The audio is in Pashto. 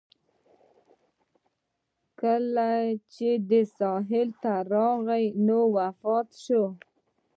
کله چې دې ساحې ته راغی نو وفات شو.